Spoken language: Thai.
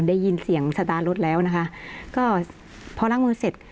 ได้ยินเสียงสตาร์ทรถแล้วนะคะก็พอล้างมือเสร็จ